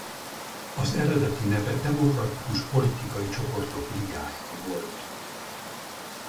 Az eredeti neve Demokratikus Politikai Csoportok Ligája volt.